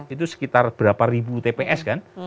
itu sekitar berapa ribu tps kan